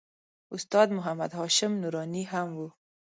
استاد محمد هاشم نوراني هم و.